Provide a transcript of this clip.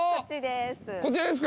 こっちです。